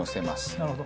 なるほど！